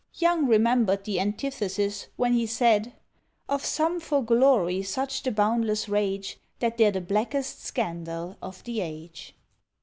Young remembered the antithesis when he said, Of some for glory such the boundless rage, That they're the blackest scandal of the age.